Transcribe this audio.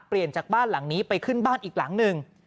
จากบ้านหลังนี้ไปขึ้นบ้านอีกหลังหนึ่ง